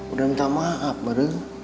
udah minta maaf mareng